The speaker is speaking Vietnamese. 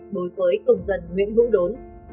đối với công dân nguyễn hữu đốn